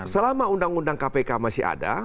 selama undang undang kpk masih ada